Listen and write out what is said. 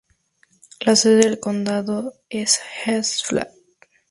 La sede del condado es Ash Flat.